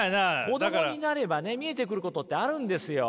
子供になれば見えてくることってあるんですよ。